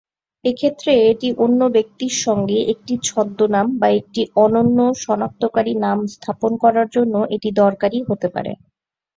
এ ক্ষেত্রে, এটি অন্য ব্যক্তির সঙ্গে, একটি ছদ্মনাম বা একটি অনন্য শনাক্তকারী নাম স্থাপন করার জন্য এটি দরকারী হতে পারে।